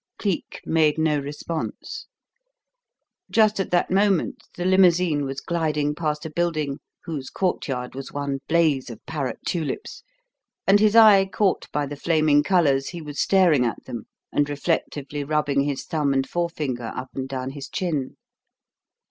Cleek made no response. Just at that moment the limousine was gliding past a building whose courtyard was one blaze of parrot tulips, and, his eye caught by the flaming colours, he was staring at them and reflectively rubbing his thumb and forefinger up and down his chin.